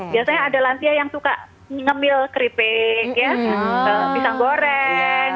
biasanya ada lansia yang suka ngemil keripik pisang goreng